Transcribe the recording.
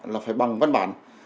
là phải bằng văn bản